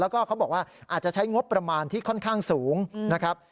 แล้วก็เขาบอกว่าอาจจะใช้งบประมาณที่ค่อนข้างสูงนะครับ